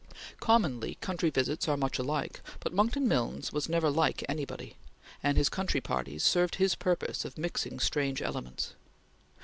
Commonly, country visits are much alike, but Monckton Milnes was never like anybody, and his country parties served his purpose of mixing strange elements.